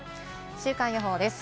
週間予報です。